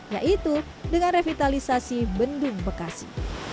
yaitu dengan revitalisasi bendung bekasi